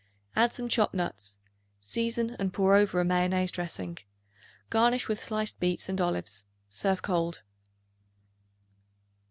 Add some chopped nuts. Season and pour over a mayonnaise dressing. Garnish with sliced beets and olives; serve cold.